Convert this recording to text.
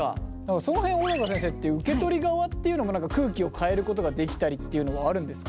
その辺小高先生受け取り側っていうのも何か空気を変えることができたりっていうのはあるんですか？